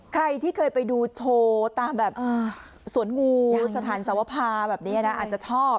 ใครที่เคยไปดูโชว์ตามแบบสวนงูสถานสวภาแบบนี้นะอาจจะชอบ